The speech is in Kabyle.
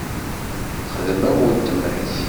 Xdem am uletma-k.